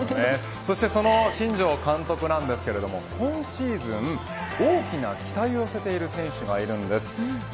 そして、その新庄監督ですが今シーズン大きな期待を寄せている選手がいます。